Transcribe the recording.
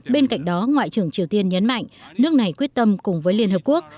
bên cạnh đó ngoại trưởng triều tiên nhấn mạnh nước này quyết tâm cùng với liên hợp quốc